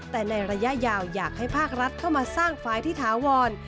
แต่ในระยะยาวอยากให้ภาครัฐเข้ามาสร้างฝ่ายที่ถาวร